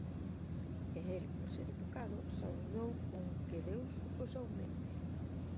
E el, por ser educado, saudou cun Que deus os aumente.